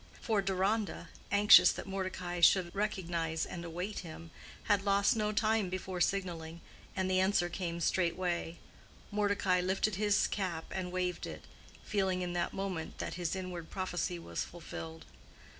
For Deronda, anxious that Mordecai should recognize and await him, had lost no time before signaling, and the answer came straightway. Mordecai lifted his cap and waved it—feeling in that moment that his inward prophecy was fulfilled.